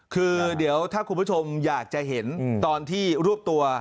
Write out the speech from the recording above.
คือเดี๋ยวถ้าคุณผู้ชมอยากจะเห็นตอนที่รวบตัว